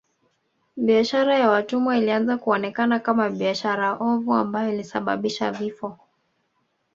Biashara ya watumwa ilianza kuonekana kama biashara ovu ambayo ilisababisha vifo